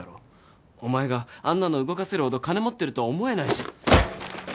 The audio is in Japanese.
お前があんなの動かせるほど金持ってるとは思えないし。